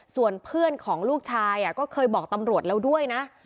ส่วนเพื่อนของลูกชายก็เคยบอกตำรวจแล้วด้วยนะ